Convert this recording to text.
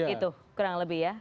itu kurang lebih ya